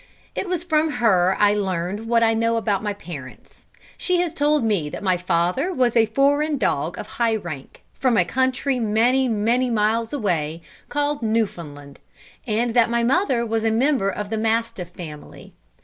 It was from her I learnt what I know about my parents. She has told me that my father was a foreign dog of high rank; from a country many, many miles away, called Newfoundland, and that my mother was a member of the Mastiff family.